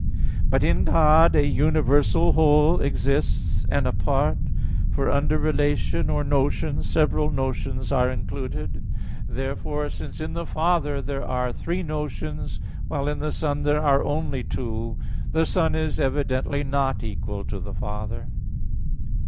But in God a universal whole exists, and a part; for under relation or notion, several notions are included. Therefore, since in the Father there are three notions, while in the Son there are only two, the Son is evidently not equal to the Father.